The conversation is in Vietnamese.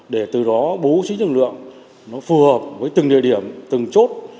để từ đó bố trí lực lượng nó phù hợp với từng địa điểm từng chốt